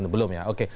belum ya oke